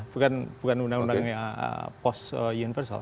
bukan undang undangnya post universal